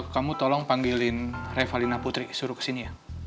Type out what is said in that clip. kamu tolong panggilin reva lina putri suruh kesini ya